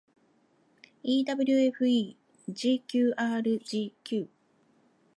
ewfegqrgq